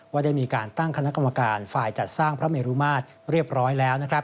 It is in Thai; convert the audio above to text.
ได้มีการตั้งคณะกรรมการฝ่ายจัดสร้างพระเมรุมาตรเรียบร้อยแล้ว